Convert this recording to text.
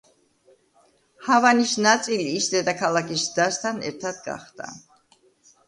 ჰავანის ნაწილი ის დედაქალაქის ზრდასთან ერთად გახდა.